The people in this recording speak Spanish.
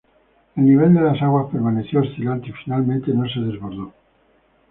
El nivel de las aguas permaneció oscilante y finalmente no se desbordó.